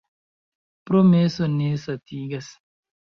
Promeso ne satigas.